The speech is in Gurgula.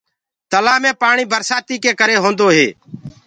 تلآه مي پآڻي برسآتي ڪري هوندو هي۔